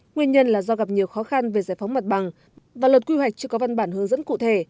nguyên nhân là do gặp nhiều khó khăn về giải phóng mặt bằng và luật quy hoạch chưa có văn bản hướng dẫn cụ thể